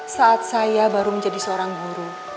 saat saya baru menjadi seorang guru